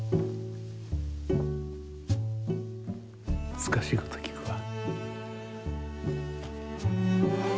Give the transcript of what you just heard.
むずかしいこときくわ。